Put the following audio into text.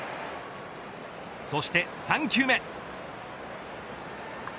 そして３球目。